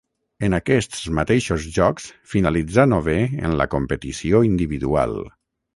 En aquests mateixos Jocs finalitzà novè en la competició individual.